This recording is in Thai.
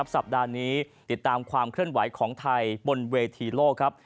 สัปดาห์นี้ติดตามความเคลื่อนไหวของไทยบนเวทีโลกครับ